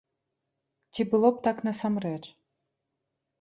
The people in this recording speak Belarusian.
Ці было б так насамрэч?